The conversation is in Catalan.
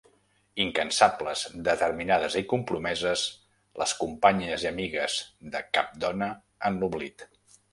Incansables, determinades i compromeses, les companyes i amigues de Cap dona en l'oblit.